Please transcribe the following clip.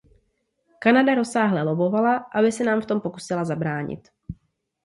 Kanada rozsáhle lobbovala, aby se nám v tom pokusila zabránit.